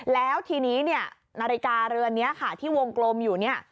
แล้วทีนี้นี่นาฬิกาเรือนนี้ที่วงกลมอยู่